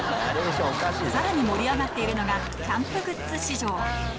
さらに盛り上がっているのが、キャンプグッズ市場。